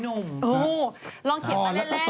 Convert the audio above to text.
อู๋ลองเขียนมาเร่ง